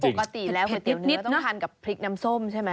คือปกติแล้วเผ็ดเตี๋ยวเนื้อต้องทานกับพริกน้ำส้มใช่ไหม